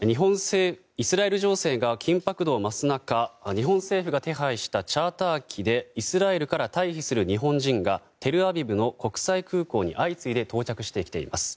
イスラエル情勢が緊迫度を増す中日本政府が手配したチャーター機でイスラエルから退避する日本人がテルアビブの国際空港に相次いで到着してきています。